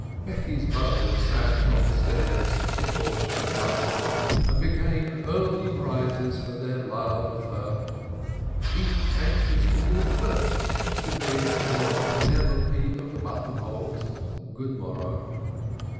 Becky's beaux sat on the stairs before she was up and became early risers in their love for her, each anxious to be the first to bid their Penelope of the buttonholes good morrow.